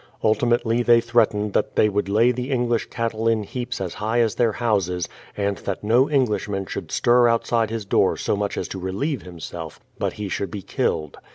Ultimately they threatened that they would lay the English cattle in heaps as high as their houses, and that no Englishman should stir outside his door so much as to relieve himself, but he should be killed.